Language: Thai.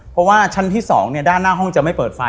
เพราะว่าชั้นที่๒ด้านหน้าห้องจะไม่เปิดไฟ